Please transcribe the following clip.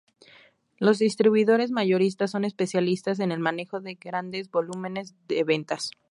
Los distribuidores mayoristas son especialistas en el manejo de grandes volúmenes de ventas.